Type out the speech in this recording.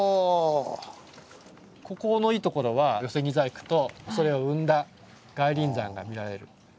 ここのいいところは寄木細工とそれを生んだ外輪山が見られる。